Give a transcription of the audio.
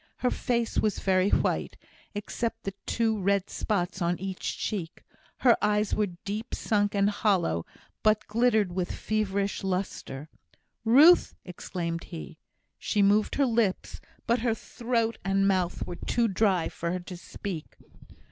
Her face was very white, except two red spots on each cheek her eyes were deep sunk and hollow, but glittered with feverish lustre. "Ruth!" exclaimed he. She moved her lips, but her throat and mouth were too dry for her to speak.